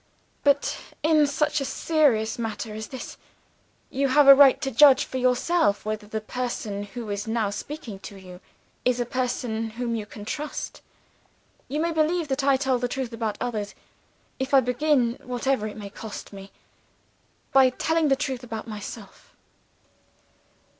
But, in such a serious matter as this, you have a right to judge for yourself whether the person who is now speaking to you is a person whom you can trust. You may believe that I tell the truth about others, if I begin whatever it may cost me by telling the truth about myself.